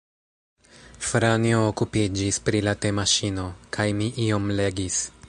Franjo okupiĝis pri la temaŝino, kaj mi iom legis.